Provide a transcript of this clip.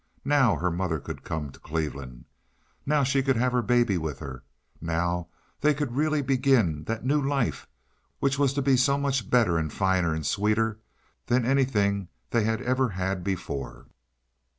Now her mother could come to Cleveland. Now she could have her baby with her. Now they could really begin that new life which was to be so much better and finer and sweeter than anything they had ever had before.